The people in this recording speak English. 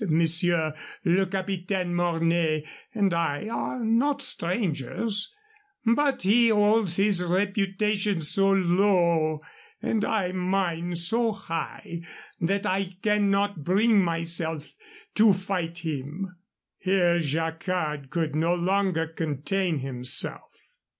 Monsieur le Capitaine Mornay and I are not strangers. But he holds his reputation so low and I mine so high, that I cannot bring myself to fight him." Here Jacquard could no longer contain himself.